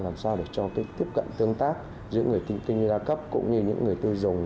làm sao để cho cái tiếp cận tương tác giữa người kinh doanh đa cấp cũng như những người tiêu dùng